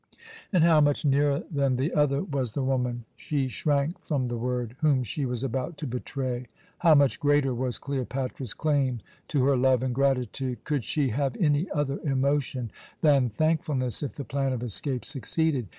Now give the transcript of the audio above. And how much nearer than the other was the woman she shrank from the word whom she was about to betray, how much greater was Cleopatra's claim to her love and gratitude! Could she have any other emotion than thankfulness if the plan of escape succeeded?